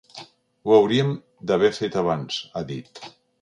Ho hauríem d’haver fet abans, ha dit.